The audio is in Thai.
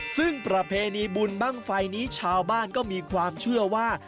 ซึ่งประเพณีบุญบ้างไฟนี้ชาวบ้านก็มีความเชื่อว่า